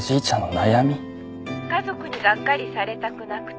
「家族にがっかりされたくなくて」